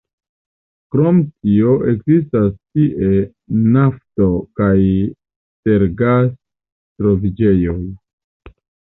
Krom tio ekzistas tie nafto- kaj tergas-troviĝejoj.